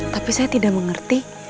tapi saya tidak mengerti